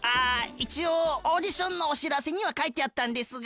いちおうオーディションのおしらせにはかいてあったんですが。